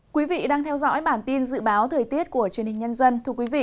quý vị đang theo dõi bản tin dự báo thời tiết của truyền hình nhân dân